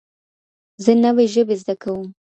زه نوې ژبې زده کوم